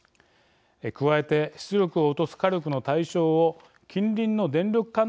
加えて出力を落とす火力の対象を近隣の電力管内まで広げます。